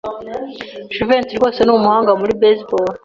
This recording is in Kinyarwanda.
Jivency rwose ni umuhanga muri baseball.